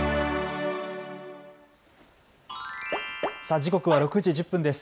時刻は６時１０分です。